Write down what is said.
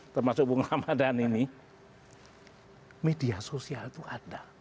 termasuk bunga ramadan ini media sosial itu ada